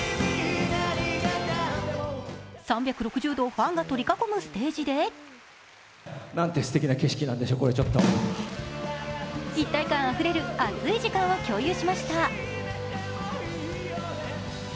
３６０度ファンが取り囲むステージで一体感あふれる熱い時間を共有しました。